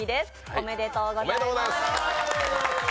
おめでとうございます。